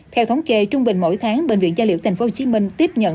theo thống kê trung bình mỗi tháng bệnh viện gia liễu tp hcm tiếp nhận